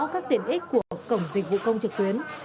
các tiện ích của cổng dịch vụ công trực tuyến